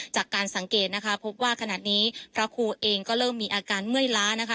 จากการสังเกตนะคะพบว่าขณะนี้พระครูเองก็เริ่มมีอาการเมื่อยล้านะคะ